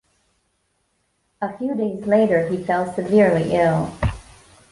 A few days later he fell severely ill.